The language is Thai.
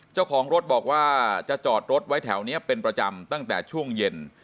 เจ้าของรถบอกว่าจะจอดรถไว้แถวนี้เป็นประจำตั้งแต่ช่วงเย็น